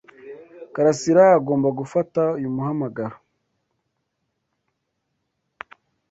Karasira agomba gufata uyu muhamagaro.